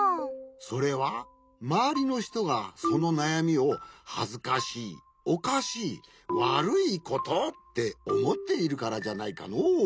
それはまわりのひとがそのなやみを「はずかしいおかしいわるいこと」っておもっているからじゃないかのう。